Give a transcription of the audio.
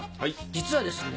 実はですね